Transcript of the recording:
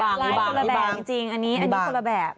ไอ่จริงอันนี้คนละแบบ